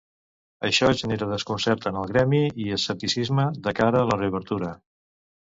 Això genera desconcert en el gremi i escepticisme de cara a la reobertura.